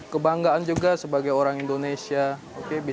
kebanggaan juga sebagai orang yang berusaha untuk mencapai kemampuan ini